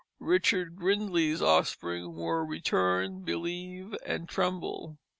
Richard Gridley's offspring were Return, Believe, and Tremble.